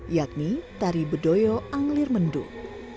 yakni tari bedoyo anglir mendung